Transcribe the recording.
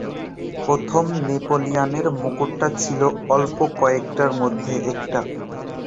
প্রথম নেপোলিয়নের মুকুটটা ছিল অল্প কয়েকটার মধ্যে একটা।